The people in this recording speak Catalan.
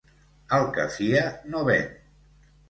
El que fia no ven.